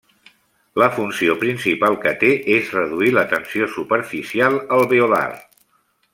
La funció principal que té és reduir la tensió superficial alveolar.